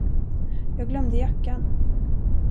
Jag glömde jackan.